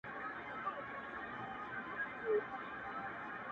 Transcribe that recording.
که قتل غواړي؛ نه یې غواړمه په مخه یې ښه؛